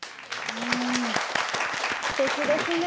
すてきですね！